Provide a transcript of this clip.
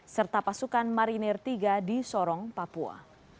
serta pasukan marinir tiga di sorong papua